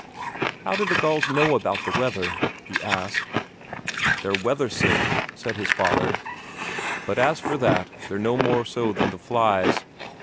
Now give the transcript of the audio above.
"How do the gulls know about the weather?" he asked. "They're weather sick," said his father. "But as for that they're no more so than the flies.